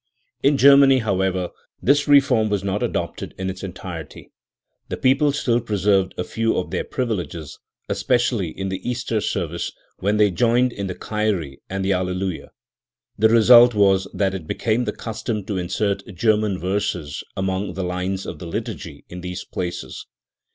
In Germany, however, this reform was not adopted in its entirety. The people still preserved a few of their privileges, especially in the Easter service, when they joined in the Kyrie and the Alleluia. The result was that it became the custom to insert German verses among the lines of the liturgy in these places.